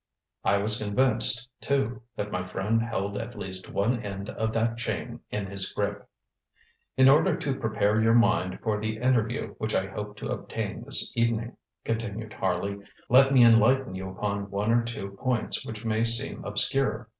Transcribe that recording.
I was convinced, too, that my friend held at least one end of that chain in his grip. ŌĆ£In order to prepare your mind for the interview which I hope to obtain this evening, ŌĆØ continued Harley, ŌĆ£let me enlighten you upon one or two points which may seem obscure.